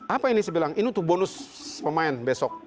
apa ini saya bilang ini tuh bonus pemain besok